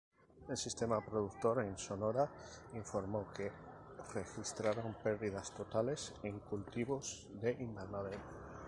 El Sistema Productor en Sonora informó que registraron perdidas totales en cultivos de invernadero.